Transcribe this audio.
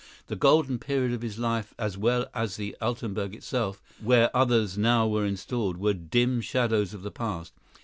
The "golden period" of his life, as well as the Altenburg itself, where others now were installed, were dim shadows of the past.